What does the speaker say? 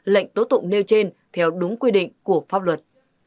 lệnh tố tụng nêu trên theo đúng quy định của pháp luật